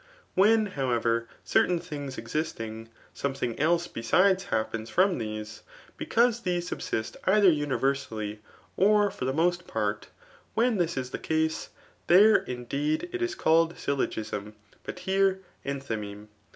When, however, certain things csistnig, somethmg else besides happens from theses because these subsist either universally, or for the meet part} r*when this is the case^ tierey indeed, it is cayed syUogia^ hot here entfayaMne.